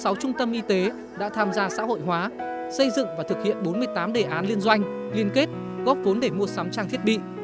trong sáu trung tâm y tế đã tham gia xã hội hóa xây dựng và thực hiện bốn mươi tám đề án liên doanh liên kết góp vốn để mua sắm trang thiết bị